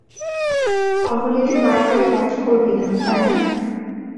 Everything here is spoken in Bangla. তাহলে তুই মারামারি বন্ধ করবি না, তাই না?